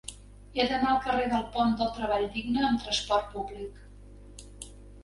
He d'anar al carrer del Pont del Treball Digne amb trasport públic.